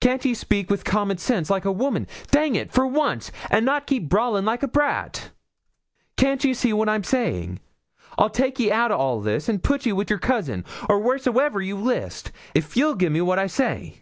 Can't ye speak wi' common sense, like a woman dang it for once, and not keep brawling like a brat can't ye see what I'm saying? I'll take ye out o' all this, and put ye wi' your cousin, or wheresoever you list, if ye'll gi'e me what I say.'